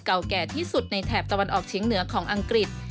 แก่ที่สุดในแถบตะวันออกเฉียงเหนือของอังกฤษ